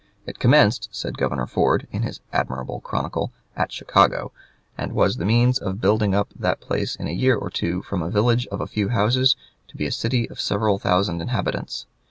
"It commenced," says Governor Ford, in his admirable chronicle, "at Chicago, and was the means of building up that place in a year or two from a village of a few houses to be a city of several thousand inhabitants.